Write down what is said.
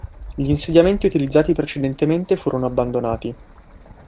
Gli insediamenti utilizzati precedentemente furono abbandonati.